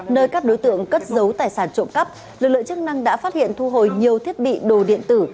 nơi các đối tượng cất giấu tài sản trộm cắp lực lượng chức năng đã phát hiện thu hồi nhiều thiết bị đồ điện tử